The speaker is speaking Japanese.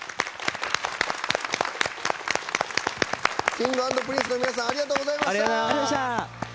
Ｋｉｎｇ＆Ｐｒｉｎｃｅ の皆さんありがとうございました。